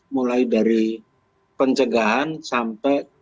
mulai dari pencegahan sampai